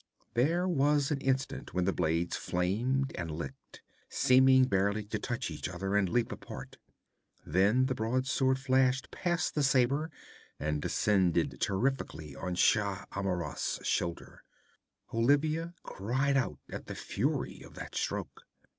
There was an instant when the blades flamed and licked, seeming barely to touch each other and leap apart; then the broadsword flashed past the saber and descended terrifically on Shah Amurath's shoulder. Olivia cried out at the fury of that stroke.